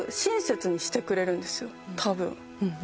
多分。